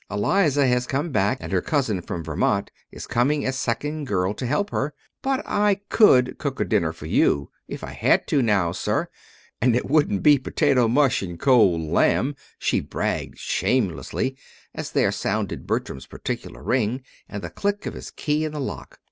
Eliza has come back, and her cousin from Vermont is coming as second girl to help her. But I could cook a dinner for you if I had to now, sir, and it wouldn't be potato mush and cold lamb," she bragged shamelessly, as there sounded Bertram's peculiar ring, and the click of his key in the lock.